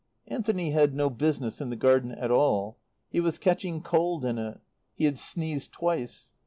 Anthony had no business in the garden at all. He was catching cold in it. He had sneezed twice.